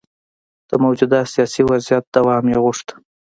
د موجوده سیاسي وضعیت دوام یې غوښت.